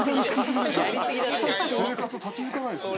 生活立ち行かないです。